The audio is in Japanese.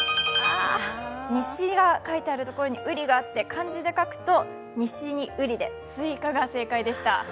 西が書いてあるところにウリがあって漢字で書くと西に瓜でスイカが正解でした。